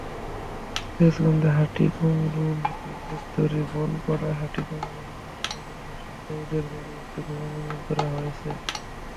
সিরাজগঞ্জের হাটিকুমরুল গোলচত্বরে বনপাড়া-হাটিকুমরুল মহাসড়কের পাশে সওজের জায়গায় একটি ভবন নির্মাণ করা হয়েছে।